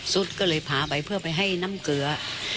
สุดก็เลยพาไปเพื่อไปให้น้ำเกลือ